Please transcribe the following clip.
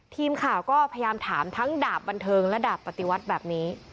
ทีมข่าวก็พยายามถามทั้งดาบบันเทิงและดาบปฏิวัติแบบนี้